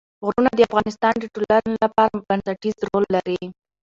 غرونه د افغانستان د ټولنې لپاره بنسټيز رول لري.